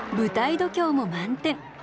舞台度胸も満点。